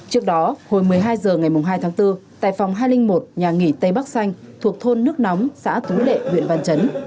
trước đó hồi một mươi hai h ngày hai tháng bốn tại phòng hai trăm linh một nhà nghỉ tây bắc xanh thuộc thôn nước nóng xã thú lệ huyện văn chấn